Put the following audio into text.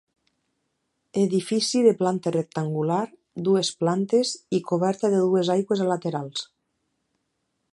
Edifici de planta rectangular, dues plantes i coberta de dues aigües a laterals.